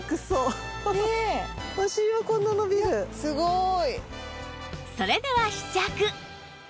すごーい。